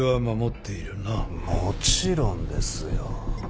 もちろんですよ。